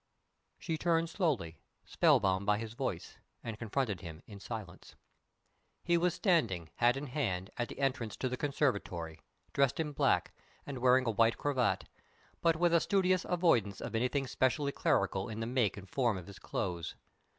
She turned slowly, spell bound by his voice, and confronted him in silence. He was standing, hat in hand, at the entrance to the conservatory, dressed in black, and wearing a white cravat, but with a studious avoidance of anything specially clerical in the make and form of his clothes.